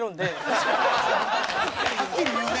はっきり言うね。